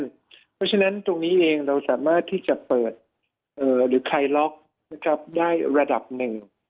เพราะฉะนั้นตรงนี้เองเราสามารถที่จะเปิดหรือคลายล็อกได้ระดับหนึ่ง